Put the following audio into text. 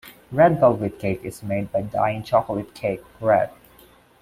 Red velvet cake is made by dyeing chocolate cake red.